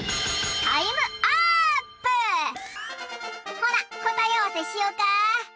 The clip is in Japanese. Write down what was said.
ほなこたえあわせしよか！